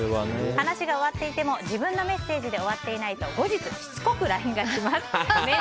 話が終わっていても自分のメッセージで終わっていないと、後日しつこくＬＩＮＥが来ます。